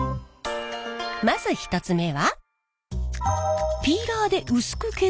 まず１つ目は。